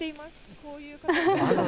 こういう形。